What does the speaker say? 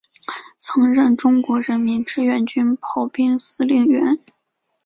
曾任中国人民志愿军炮兵司令员。